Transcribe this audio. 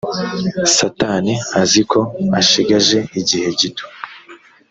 satani azi ko ashigaje igihe gito